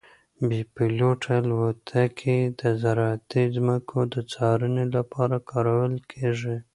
بې پیلوټه الوتکې د زراعتي ځمکو د څارنې لپاره کارول کیږي.